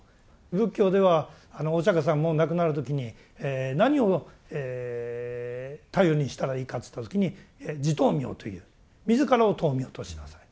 仏教ではお釈さんも亡くなる時に何を頼りにしたらいいかといった時に「自灯明」という自らを灯明としなさい。